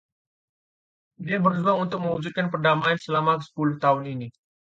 Dia berjuang untuk mewujudkan perdamaian selama sepuluh tahun ini.